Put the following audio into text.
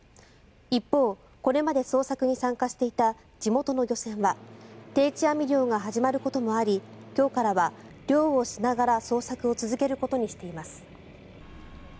一方、これまで捜索に参加していた地元の漁船は定置網漁が始まることもあり今日からは漁をしながら捜索を続けることにしています。